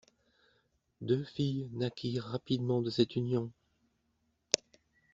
Deux filles naquirent rapidement de cette union.